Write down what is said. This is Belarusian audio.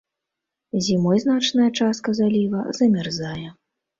Зімой значная частка заліва замярзае.